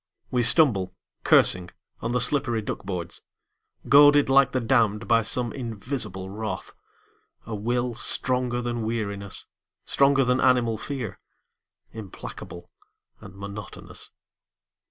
We stumble, cursing, on the slippery duck boards. Goaded like the damned by some invisible wrath, A will stronger than weariness, stronger than animal fear, Implacable and monotonous.